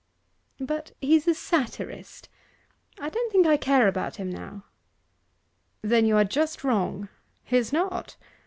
'But he's a satirist I don't think I care about him now.' 'There you are just wrong. He is not.